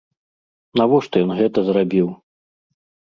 Навошта ён гэта зрабіў?